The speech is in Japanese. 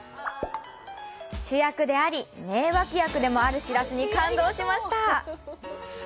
主役であり、名脇役でもあるしらすに感動しました！